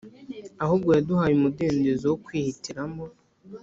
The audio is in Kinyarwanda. Ahubwo yaduhaye umudendezo wo kwihitiramo